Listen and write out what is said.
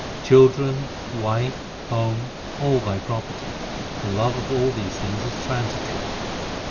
Children, wife, home, all thy property the love of all these things is transitory.